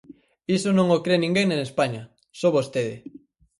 Iso non o cre ninguén en España, só vostede.